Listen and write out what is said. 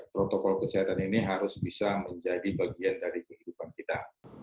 protokol kesehatan ini harus bisa menjadi bagian dari kehidupan kita